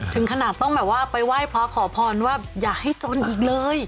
ถึงขนาดต้องแบบว่าไปไหว้พระขอพรว่าอย่าให้จนอีกเลย